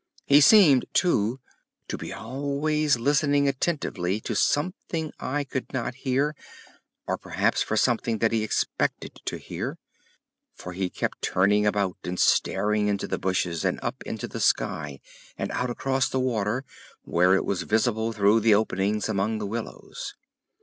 He seemed, too, to be always listening attentively to something I could not hear, or perhaps for something that he expected to hear, for he kept turning about and staring into the bushes, and up into the sky, and out across the water where it was visible through the openings among the willows.